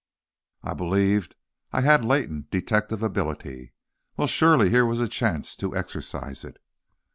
I believed I had latent detective ability. Well, surely here was a chance to exercise it!